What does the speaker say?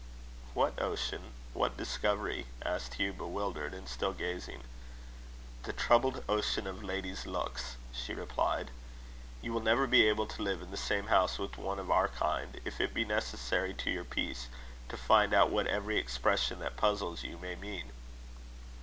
"What ocean? what discovery?" asked Hugh, bewildered, and still gazing. "The troubled ocean of ladies' looks," she replied. "You will never be able to live in the same house with one of our kind, if it be necessary to your peace to find out what every expression that puzzles you may mean."